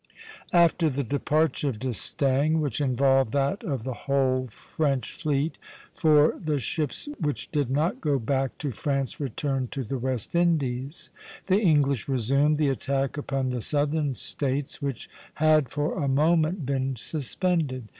After the departure of D'Estaing, which involved that of the whole French fleet, for the ships which did not go back to France returned to the West Indies, the English resumed the attack upon the Southern States, which had for a moment been suspended.